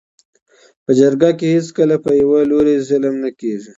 . په جرګه کي هیڅکله په یوه لوري ظلم نه کيږي.